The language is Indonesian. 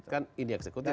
kan ini eksekutif